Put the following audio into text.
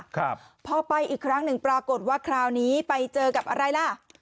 ครับพอไปอีกครั้งหนึ่งปรากฏว่าคราวนี้ไปเจอกับอะไรล่ะ